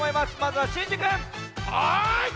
はい！